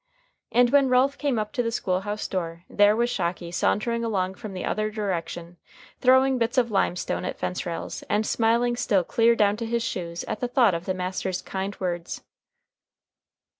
And when Ralph came up to the school house door, there was Shocky sauntering along from the other direction, throwing bits of limestone at fence rails, and smiling still clear down to his shoes at thought of the master's kind words.